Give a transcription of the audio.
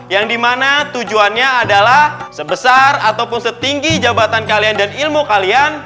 yang dimana tujuannya adalah sebesar ataupun setinggi jabatan kalian dan ilmu kalian